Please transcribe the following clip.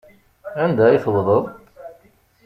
Anda i tewwḍeḍ?